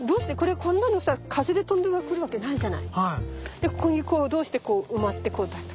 でここにこうどうしてこう埋まってこうなったか。